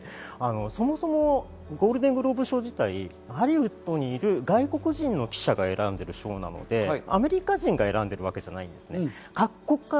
この受賞はかなり大きくて、そもそもゴールデングローブ賞自体、ハリウッドにいる外国人の記者が選んでいる賞なので、アメリカ人が選んでるわけじゃないんです。